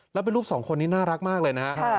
แล้วเป็นลูกสองคนนี้น่ารักมากเลยนะฮะ